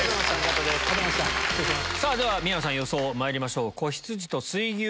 宮野さん予想まいりましょう。